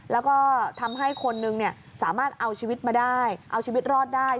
แล้วก็ทำให้คนนึงสามารถเอาชีวิตมาได้เอาชีวิตรอดได้